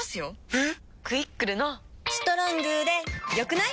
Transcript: えっ⁉「クイックル」の「『ストロング』で良くない？」